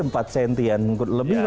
empat sentian lebih kurang lebih ya